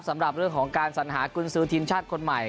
สำหรับเรื่องของการสัญหากุญซือทีมชาติคนใหม่